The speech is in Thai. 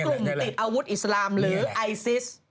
ของกลุ่มติดอาวุธอิสลามหรือไอซิส